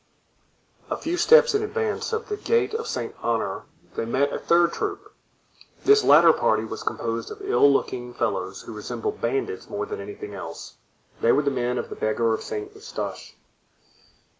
A few steps in advance of the gate of Saint Honore they met a third troop; this latter party was composed of ill looking fellows, who resembled bandits more than anything else; they were the men of the beggar of Saint Eustache.